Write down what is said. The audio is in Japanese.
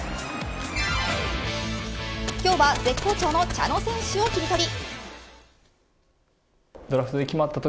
今日は絶好調の茶野選手をキリトリ。